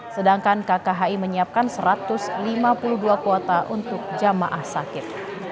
sedangkan kkhi menyiapkan satu ratus lima puluh dua kuota untuk jamaah sakit